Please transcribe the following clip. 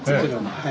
はい。